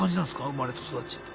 生まれと育ちって。